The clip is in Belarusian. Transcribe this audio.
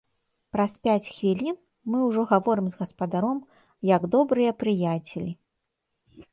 Праз пяць хвілін мы ўжо гаворым з гаспадаром, як добрыя прыяцелі.